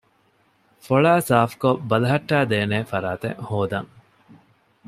ފޮޅައި ސާފުކޮށް ބަލަހައްޓައިދޭނެ ފަރާތެއް ހޯދަން